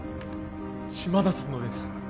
島田さんのです！